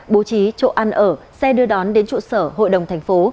bố trí chỗ ăn ở xe đưa đón đến trụ sở hội đồng thành phố